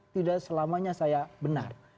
tidak selamanya saya benar